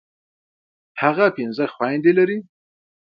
هغه پنځه خويندي لري.